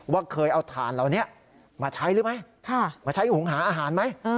ว่าเคยเอาถ่านเหล่านี้มาใช้หรือไม่มาใช้หุงหาอาหารไหม